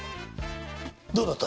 どうだった？